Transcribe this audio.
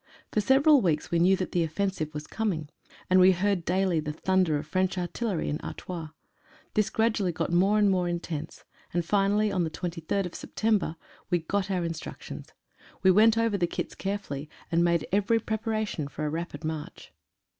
For several weeks we knew that the offensive was coming, and we heard daily the thunder of French artillery in Artois. This gradually got more and more intense, and, finally, on 23rd September, we got our instructions. We went over the kits carefully, and made every preparation for a rapid march.